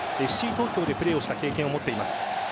ＦＣ東京でプレーをした経験を持っています。